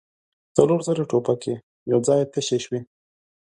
څلور زره ټوپکې يو ځای تشې شوې.